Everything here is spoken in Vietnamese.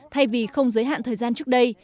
thay vì không giới hạn thời gian trước đây